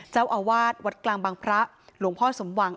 เจ้าอาวาสวัดกลางบางพระหลวงพ่อสมหวัง